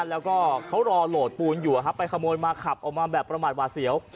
แล้วก็เขารอโหลดปูนอยู่ไปขโมยมาขับออกมาแบบประมาทหวาเสียว